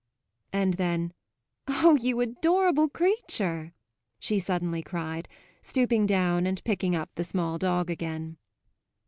And then, "Oh you adorable creature!" she suddenly cried, stooping down and picking up the small dog again.